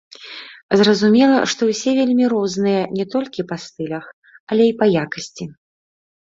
Зразумела, што ўсе вельмі розныя не толькі па стылях, але і па якасці.